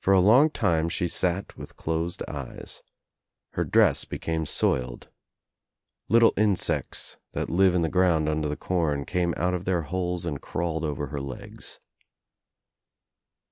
For a long time she sat with closed eyes. Her dress became soiled. Little Insects that live in the ground under the com came out of their holes td crawled over her legs.